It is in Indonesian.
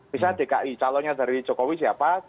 misalnya dki calonnya dari jokowi siapa